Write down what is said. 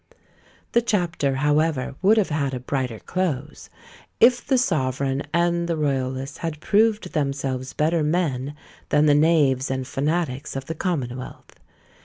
The chapter, however, would have had a brighter close, if the sovereign and the royalists had proved themselves better men than the knaves and fanatics of the commonwealth.